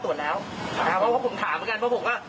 แต่ทราบว่าตรวจแล้วนะครับว่าผมถามอาการพระบุคกฤษ